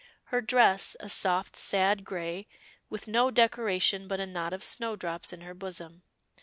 Her dress, a soft, sad grey, with no decoration but a knot of snowdrops in her bosom.